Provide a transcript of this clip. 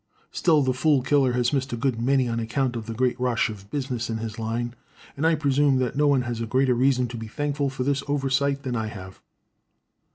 Still the fool killer has missed a good many on account of the great rush of business in his line, and I presume that no one has a greater reason to be thankful for this oversight than I have.